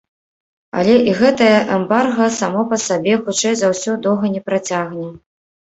Але і гэтае эмбарга само па сабе, хутчэй за ўсё, доўга не працягне.